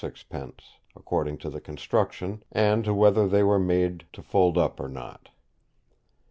6_d_., according to the construction, and to whether they were made to fold up or not.